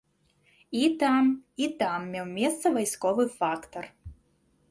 І там, і там меў месца вайсковы фактар.